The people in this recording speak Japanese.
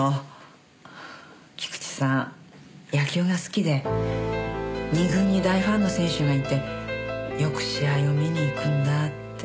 野球が好きで２軍に大ファンの選手がいてよく試合を見に行くんだって。